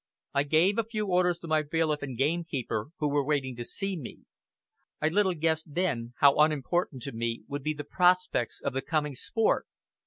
I gave a few orders to my bailiff and gamekeeper, who were waiting to see me. I little guessed then how unimportant to me would be the prospects of the coming sport.